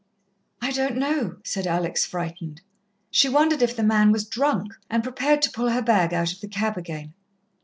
"I don't know," said Alex, frightened. She wondered if the man was drunk, and prepared to pull her bag out of the cab again.